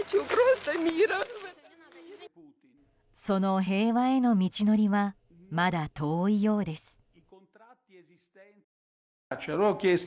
その平和への道のりはまだ遠いようです。